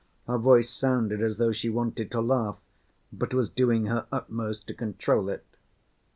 Her voice sounded as though she wanted to laugh, but was doing her utmost to control it.